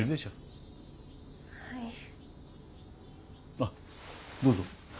あっどうぞ。